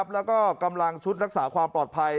แล้วก็กำลังชุดรักษาความปลอดภัย